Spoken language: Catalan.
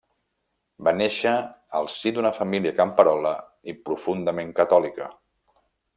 Va néixer al si d'una família camperola i profundament catòlica.